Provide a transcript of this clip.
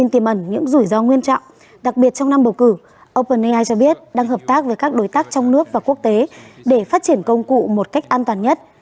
trong bầu cử openai cho biết đang hợp tác với các đối tác trong nước và quốc tế để phát triển công cụ một cách an toàn nhất